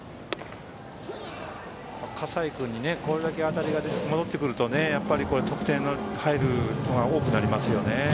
笠井君にこれだけ当たりが戻ってくると得点が入ることは多くなりますね。